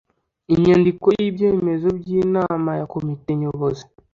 inyandiko y’ibyemezo by’inama ya komite nyobozi